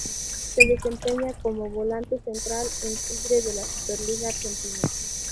Se desempeña como volante central en Tigre de la Superliga Argentina.